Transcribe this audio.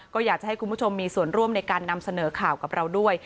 ก็อยากจะให้คุณผู้ชมมีส่วนร่วมในการนำเสนอข่าวกับเราด้วย